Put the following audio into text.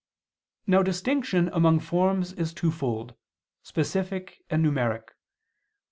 Now distinction among forms is twofold: specific and numeric.